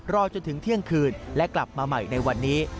รอจนถึงเที่ยงคืนและกลับมาใหม่ในวันนี้